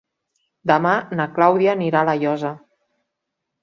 Demà na Clàudia anirà a La Llosa.